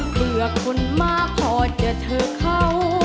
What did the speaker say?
เพื่อคนมาขอเจอเธอเขา